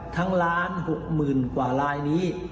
ทั้งล้านหกหมื่นกว่ารายนี้